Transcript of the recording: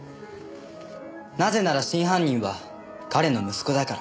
なぜなら真犯人は彼の息子だから。